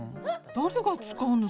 誰が使うの？